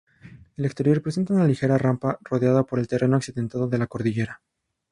El exterior presenta una ligera rampa rodeada por el terreno accidentado de la cordillera.